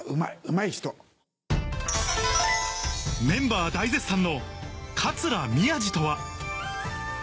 メンバー大絶賛の桂宮治とは？